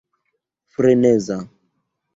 freneza